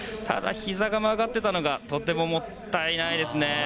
ひざが曲がっていたのがとてももったいないですね。